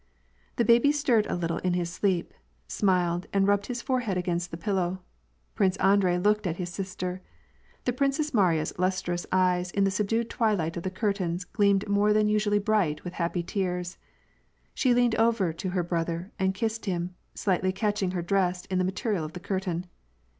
The baby stirred a little in his sleep, smiled, and rubbed his forehead against the pillow. Prince Andrei looked at his sis ter. The Princess Mariya's lustrous eyes in the subdued twi light of the curtains gleamed more than usually bright with happy tears. She leaned over to her brother and kissed him, slightly catching her dress in the material of the curtain.